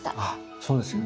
そうですよね